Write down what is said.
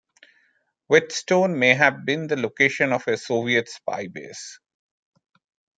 Whetstone may have been the location of a Soviet spy base.